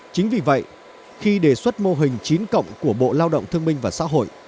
chính vì vậy khi đề xuất mô hình chín cộng của bộ lao động thương minh và xã hội